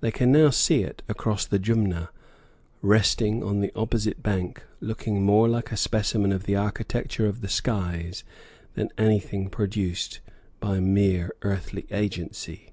They can now see it across the Jumna, resting on the opposite bank, looking more like a specimen of the architecture of the skies than anything produced by mere earthly agency.